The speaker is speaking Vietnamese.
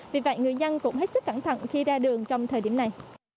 vì vậy người dân cũng hết sức cẩn thận khi ra đường trong thời điểm này